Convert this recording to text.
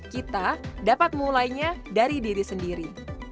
kita dapat mulainya dari diri sendiri